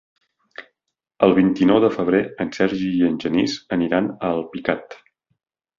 El vint-i-nou de febrer en Sergi i en Genís aniran a Alpicat.